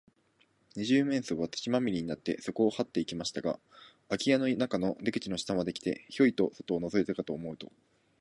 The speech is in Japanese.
二十面相は、土まみれになって、そこをはっていきましたが、あき家の中の出口の下まで来て、ヒョイと外をのぞいたかと思うと、